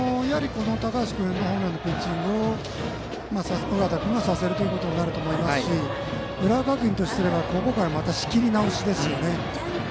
高橋君本来のピッチングを尾形君がさせるということになると思いますし浦和学院とすればここからまた仕切り直しですね。